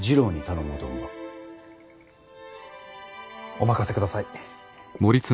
お任せください。